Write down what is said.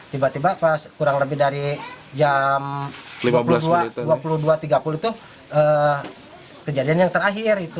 tiba tiba pas kurang lebih dari jam dua puluh dua tiga puluh itu kejadian yang terakhir itu